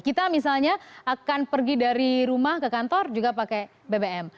kita misalnya akan pergi dari rumah ke kantor juga pakai bbm